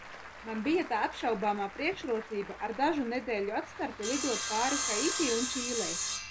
Man bija tā apšaubāmā priekšrocība ar dažu nedēļu atstarpi lidot pāri Haiti un Čīlei.